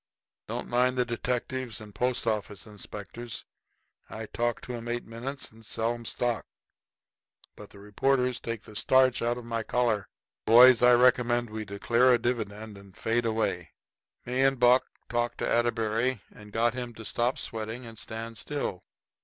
I don't mind detectives and post office inspectors I talk to 'em eight minutes and then sell 'em stock but them reporters take the starch out of my collar. Boys, I recommend that we declare a dividend and fade away. The signs point that way." Me and Buck talked to Atterbury and got him to stop sweating and stand still.